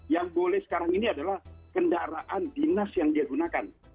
yang boleh sekarang ini adalah kendaraan dinas yang digunakan